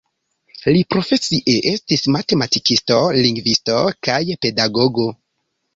Li profesie estis matematikisto, lingvisto kaj pedagogo.